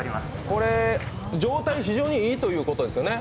これ、状態は非常にいいということですよね。